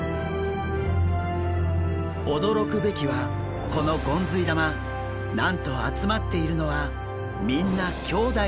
驚くべきはこのゴンズイ玉なんと集まっているのはみんな兄弟なんです。